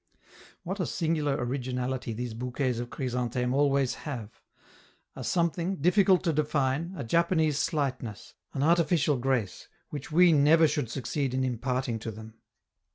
What a singular originality these bouquets of Chrysantheme always have: a something, difficult to define, a Japanese slightness, an artificial grace which we never should succeed in imparting to them.